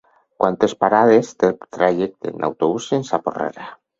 Quantes parades té el trajecte en autobús fins a Porrera?